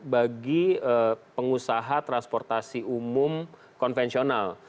bagi pengusaha transportasi umum konvensional